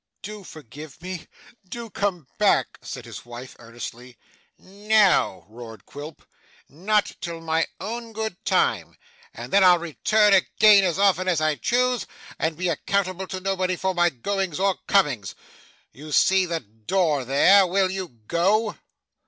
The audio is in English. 'Do forgive me. Do come back,' said his wife, earnestly. 'No o o o o!' roared Quilp. 'Not till my own good time, and then I'll return again as often as I choose, and be accountable to nobody for my goings or comings. You see the door there. Will you go?